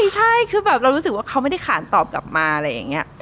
ใช่คือแบบเรารู้สึกว่าเขาไม่ได้ขานตอบกลับมาอะไรอย่างนี้